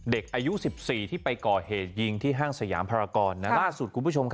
เด็กอายุ๑๔ที่ไปก่อเหตุยิงที่ห้างสยามภารกรณ์